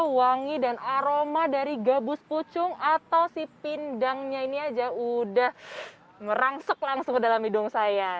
wangi dan aroma dari gabus pucung atau si pindangnya ini aja udah merangsuk langsung ke dalam hidung saya